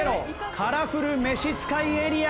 カラフル召使いエリア。